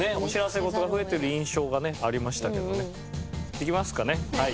いきますかねはい。